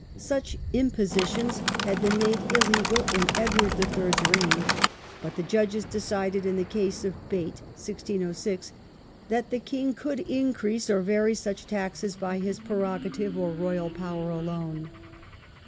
Such " impositions " had been made illegal in Edward III.'s reign, but the judges decided in the case of Bate (1606) that the king could increase or vary such taxes by his prerogative or royal power alone.